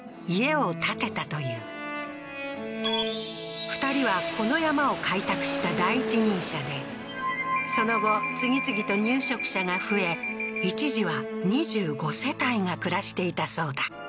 家を建てたという２人はこの山を開拓した第一人者でその後次々と入植者が増え一時は２５世帯が暮らしていたそうだ